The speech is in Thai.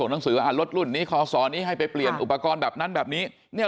หนังสือว่ารถรุ่นนี้คอสอนี้ให้ไปเปลี่ยนอุปกรณ์แบบนั้นแบบนี้